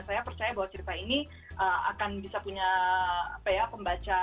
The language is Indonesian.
saya percaya bahwa cerita ini akan bisa punya pembaca